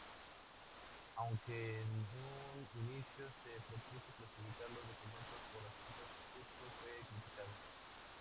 Aunque en un inicio se propuso clasificar los documentos por asuntos, esto fue criticado.